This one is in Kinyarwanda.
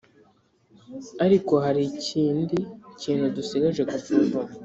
Ariko hari ikindi kintu dusigaje gusuzuma